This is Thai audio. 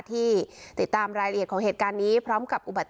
ที่ติดตามรายละเอียดของเหตุการณ์นี้พร้อม